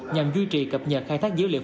nhằm duy trì cập nhật khai thác dữ liệu